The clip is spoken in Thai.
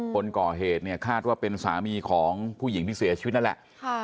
คนก่อเหตุเนี่ยคาดว่าเป็นสามีของผู้หญิงที่เสียชีวิตนั่นแหละ